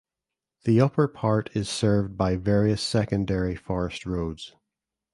The upper part is served by various secondary forest roads.